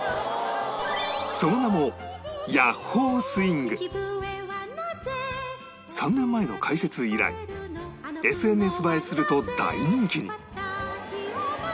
その名も３年前の開設以来 ＳＮＳ 映えすると大人気に